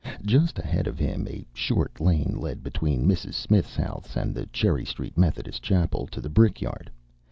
Just ahead of him a short lane led, between Mrs. Smith's house and the Cherry Street Methodist Chapel, to the brick yard.